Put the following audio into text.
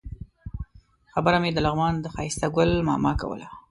خبره مې د لغمان د ښایسته ګل ماما کوله.